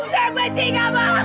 saya benci kamu